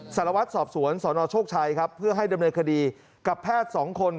สารวัตรสอบสวนสนโชคชัยครับเพื่อให้ดำเนินคดีกับแพทย์สองคน